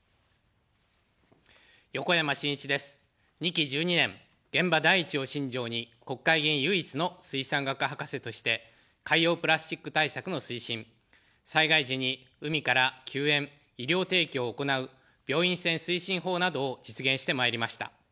２期１２年、現場第一を信条に、国会議員唯一の水産学博士として、海洋プラスチック対策の推進、災害時に海から救援・医療提供を行う病院船推進法などを実現してまいりました。